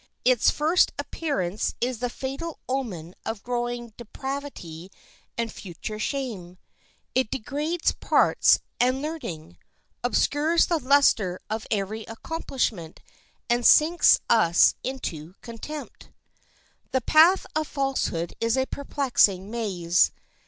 Its first appearance is the fatal omen of growing depravity and future shame. It degrades parts and learning, obscures the luster of every accomplishment, and sinks us into contempt. The path of falsehood is a perplexing maze.